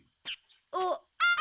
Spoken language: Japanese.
あっ。